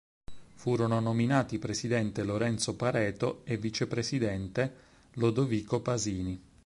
Furono nominati presidente Lorenzo Pareto e vicepresidente Lodovico Pasini.